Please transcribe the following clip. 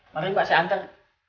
mari mbak saya hantar